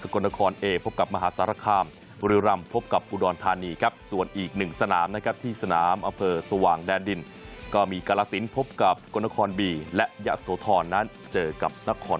เจอกับนักขอนพนมครับ